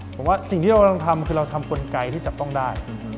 ผมว่าสิ่งที่เรากำลังทำคือเราทำกลไกที่จับต้องได้